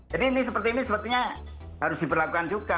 jadi ini sepertinya harus diberlakukan juga